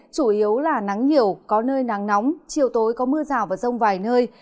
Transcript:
chủ yếu là nắng nhiều có nơi nắng nóng chiều tối có mưa rào và rông vài nơi